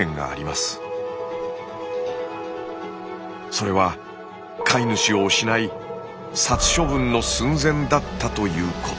それは飼い主を失い殺処分の寸前だったということ。